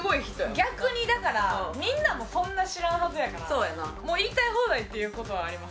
逆にだからみんなもそんな知らんはずやからもう言いたい放題という事はありますね。